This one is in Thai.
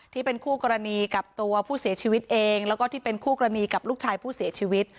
ที่เป็นคู่กรณีกับตัวผู้เสียชีวิตเองแล้วก็ที่เป็นคู่กรณีกับลูกชายผู้เสียชีวิต